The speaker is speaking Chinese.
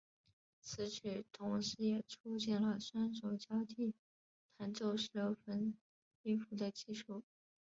此曲同时也促进了双手交替弹奏十六分音符的技术。